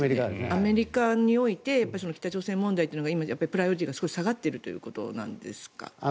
アメリカにおいて北朝鮮問題というのがプライオリティーが少し下がっているということなんですか？